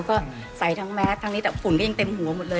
ก็ใส่ทั้งแมสทั้งนี้แต่ฝุ่นก็ยังเต็มหัวหมดเลย